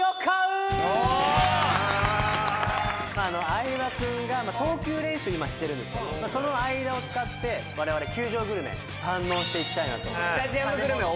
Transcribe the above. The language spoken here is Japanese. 相葉君が投球練習今してるんですけどその間を使ってわれわれ球場グルメ堪能していきたいなと。